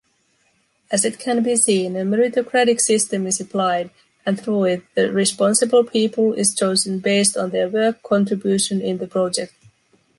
As it can be seen, a meritocratic system is applied and through it the responsible people is chosen based on their work contribution in the project.